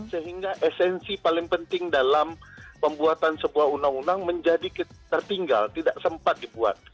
sehingga esensi paling penting dalam pembuatan sebuah undang undang menjadi tertinggal tidak sempat dibuat